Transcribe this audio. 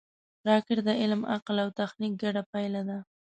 راکټ د علم، عقل او تخنیک ګډه پایله ده